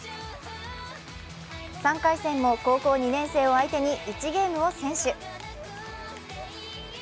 ３回戦も高校２年生を相手に１ゲームを先取。